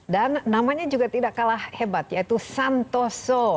dan namanya juga tidak kalah hebat yaitu santoso